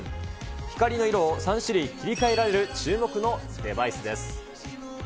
光の色を３種類切り替えられる注目のデバイスです。